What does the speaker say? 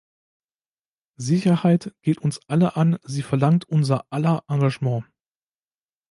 Sicherheit geht uns alle an, sie verlangt unser aller Engagement!